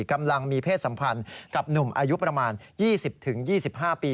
กำลังมีเพศสัมพันธ์กับหนุ่มอายุประมาณ๒๐๒๕ปี